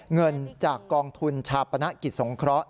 เงินจากกองทุนชาปนกิจสงเคราะห